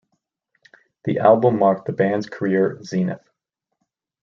The album marked the band's career zenith.